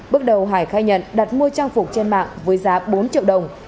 bước đầu hải khai nhận đặt mua trang phục trên mạng với giá bốn triệu đồng